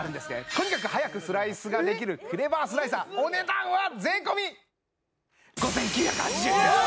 とにかく速くスライスができるクレバースライサーお値段は税込５９８０円です